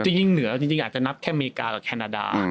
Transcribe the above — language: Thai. จริงเหนืออยากจะนับแค่อเมริกาและแคนดา